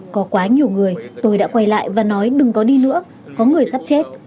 có quá nhiều người tôi đã quay lại và nói đừng có đi nữa có người sắp chết